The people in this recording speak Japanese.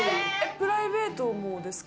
プライベートもですか？